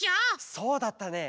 そうだったね。